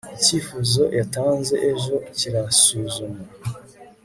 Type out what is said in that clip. icyifuzo yatanze ejo kirasuzumwa